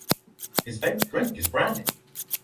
His favorite drink is Brandy.